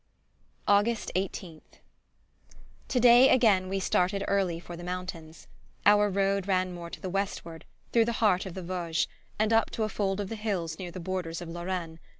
August 18th. Today again we started early for the mountains. Our road ran more to the westward, through the heart of the Vosges, and up to a fold of the hills near the borders of Lorraine.